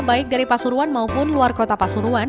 baik dari pasuruan maupun luar kota pasuruan